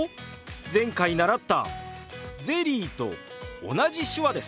前回習った「ゼリー」と同じ手話です。